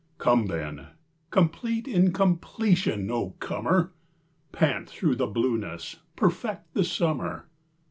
Come then, complete incompletion, O comer, Pant through the blueness, perfect the summer!